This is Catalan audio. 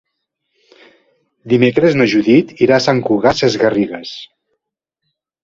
Dimecres na Judit irà a Sant Cugat Sesgarrigues.